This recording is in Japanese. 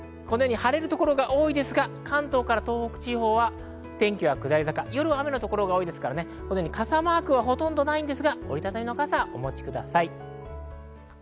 晴れる所が多いですが関東から東北地方は天気は下り坂、夜は雨の所が多いですから、傘マークはほとんどないですが、折り畳みの傘をお持ちください。